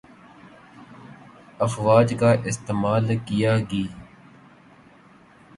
افواج کا استعمال کیا گی